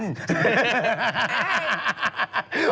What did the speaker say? ไม่